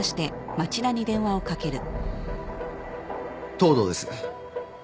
東堂です。